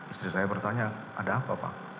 istri saya bertanya ada apa pak